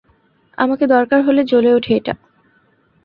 আমাকে দরকার হলে জ্বলে ওঠে ওটা।